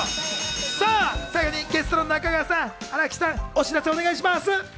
最後にゲストの中川さん、新木さん、お知らせお願いします。